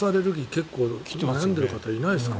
結構悩んでいる方いないですか？